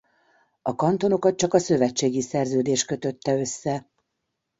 A kantonokat csak a Szövetségi Szerződés kötötte össze.